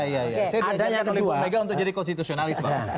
saya bekerja di pemega untuk jadi konstitusionalis